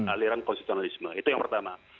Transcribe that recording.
aliran konstitusionalisme itu yang pertama